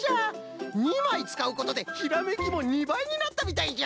２まいつかうことでひらめきも２ばいになったみたいじゃ。